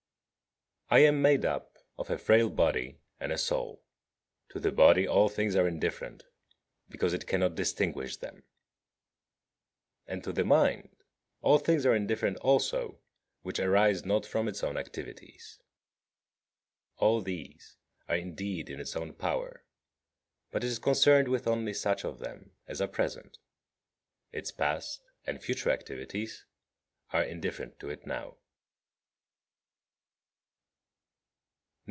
32. I am made up of a frail body and a soul. To the body all things are indifferent, because it cannot distinguish them; and to the mind all things are indifferent also which arise not from its own activities. All these are indeed in its own power, but it is concerned with only such of them as are present. Its past and future activities are indifferent to it now.